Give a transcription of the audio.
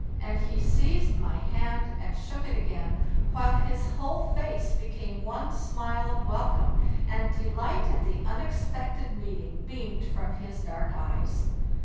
"« And he seized my hand and shook it again, while his whole face became one smile of welcome, and delight at the unexpected meeting beamed from his dark eyes.